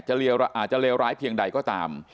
อาจจะเลวร้ายเพียงใดก็ตาม